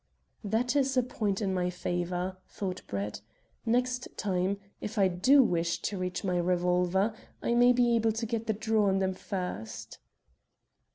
"That is a point in my favour," thought Brett. "Next time, if I do wish to reach my revolver, I may be able to get the draw on them first."